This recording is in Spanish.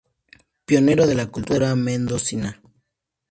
Pionero de la cultura mendocina.